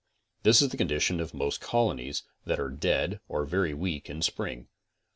This is the condition of most colonies that are dead or very weak in spring.